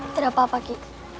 tidak apa apa ki